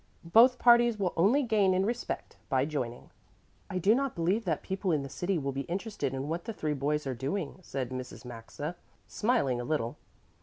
Both parties will only gain in respect by joining." "I do not believe that people in the city will be interested in what the three boys are doing," said Mrs. Maxa, smiling a little.